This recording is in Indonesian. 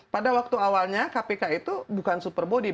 pada waktu awalnya kpk itu bukan super body